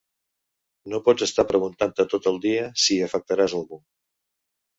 No pots estar preguntant-te tot el dia si afectaràs algú.